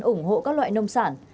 ủng hộ các loại nông sản